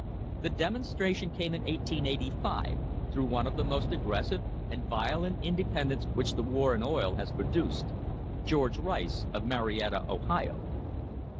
The demonstration came in 1885, through one of the most aggressive and violent independents which the war in oil has produced, George Rice, of Marietta, Ohio.